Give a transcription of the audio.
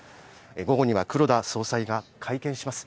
午後には黒田総裁が会見します。